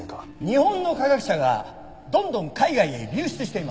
日本の科学者がどんどん海外へ流出しています。